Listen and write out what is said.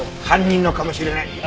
犯人のかもしれない。